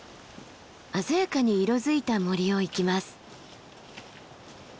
鮮やかに色づいた森を行きます。